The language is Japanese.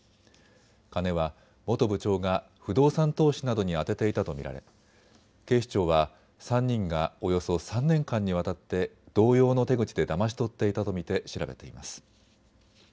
金は元部長が不動産投資などに充てていたと見られ警視庁は３人がおよそ３年間にわたって同様の手口でだまし取っていたと見て調べています。